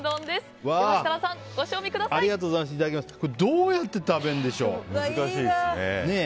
どうやって食べるんでしょう。